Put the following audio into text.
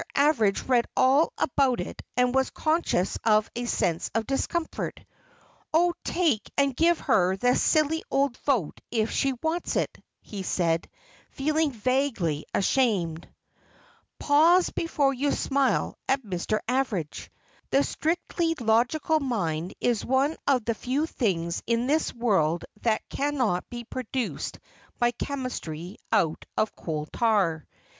Average read all about it and was conscious of a sense of discomfort. "Oh, take and give her the silly old vote if she wants it," he said, feeling vaguely ashamed. Pause before you smile at Mr. Average. The strictly logical mind is one of the few things in this world that cannot be produced by Chemistry out of Coal tar.